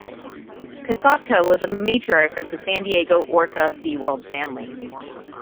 Kasatka was the matriarch of the San Diego Orca Seaworld family.